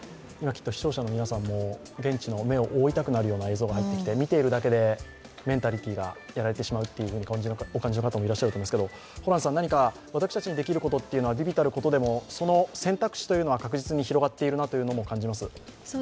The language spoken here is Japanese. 視聴者の皆さんも現地の、目を覆いたくなるような映像を見ていて見ているだけで、メンタリティーがやられてしまうとお感じの方いらっしゃると思いますけど私たちにできることは微々たることでも、選択肢というのは確実に広がっているなというのを感じます